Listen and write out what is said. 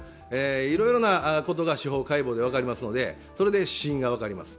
いろいろなことが司法解剖で分かりますのでそれで死因が分かります。